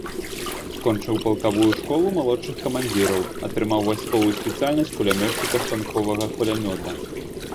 Скончыў палкавую школу малодшых камандзіраў, атрымаў вайсковую спецыяльнасць кулямётчыка станковага кулямёта.